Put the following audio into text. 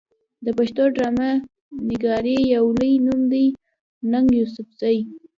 د پښتو ډرامه نګارۍ يو لوئې نوم دی ننګ يوسفزۍ